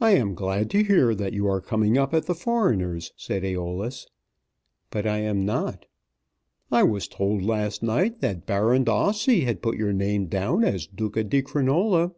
"I am glad to hear that you are coming up at the Foreigners," said Æolus. "But I am not." "I was told last night that Baron D'Ossi had put your name down as Duca di Crinola."